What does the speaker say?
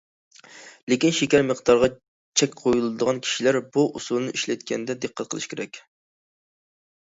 لېكىن شېكەر مىقدارىغا چەك قويۇلىدىغان كىشىلەر بۇ ئۇسۇلنى ئىشلەتكەندە دىققەت قىلىشى كېرەك.